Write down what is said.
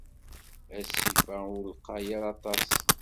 Asif-a ur lqay ara aṭas.